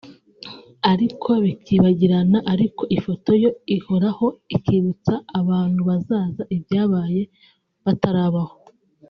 ariko bikibagirana ariko ifoto yo ihoraho ikibutsa abantu bazaza ibyabaye batarabaho